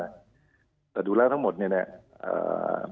แต่ดูแลข้อมูลทั้งหมดเนี่ยเนี่ย